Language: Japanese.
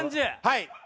はい。